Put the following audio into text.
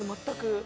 全く。